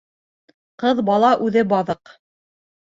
Ҡыҙ бала үҙе баҙыҡ